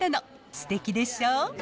すてきでしょう。